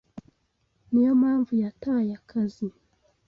Niyo mpamvu yataye akazi.